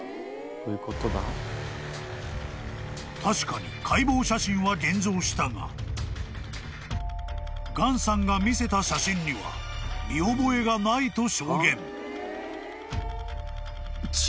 ［確かに解剖写真は現像したがガンさんが見せた写真には見覚えがないと証言］